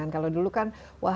kalau dulu kan